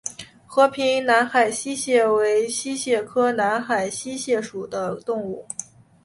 和平南海溪蟹为溪蟹科南海溪蟹属的动物。